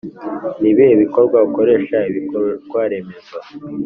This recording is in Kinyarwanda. Nibihe Bikorwa ukoresha ibikorwaremezo